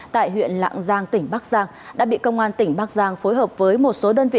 tại huyện lạng giang tỉnh bắc giang đã bị công an tỉnh bắc giang phối hợp với một số đơn vị